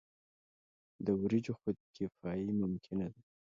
د وریجو خودکفايي ممکنه ده.